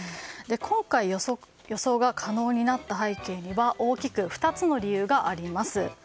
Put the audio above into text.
今回、予想が可能になった背景には大きく２つの理由があります。